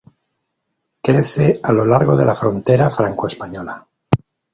Crece a lo largo de la frontera franco-española.